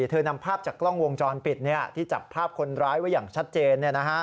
นำภาพจากกล้องวงจรปิดที่จับภาพคนร้ายไว้อย่างชัดเจน